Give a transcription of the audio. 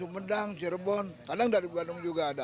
sumedang cirebon kadang dari bandung juga ada